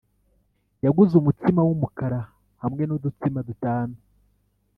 yaguze umutsima wumukara hamwe nudutsima dutanu.